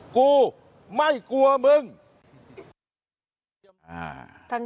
กูไม่กลัวมึง